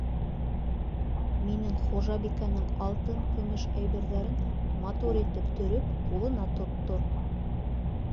— Минең хужабикәнең алтын-көмөш әйберҙәрен матур итеп төрөп, ҡулына тоттор!